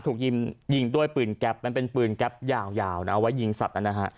ถูกยิงยิงด้วยปืนแก๊ปมันเป็นปืนแก๊ปยาวนะเอาไว้ยิงสัตว์นะฮะ